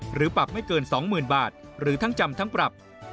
ปรับไม่เกิน๒๐๐๐บาทหรือทั้งจำทั้งปรับ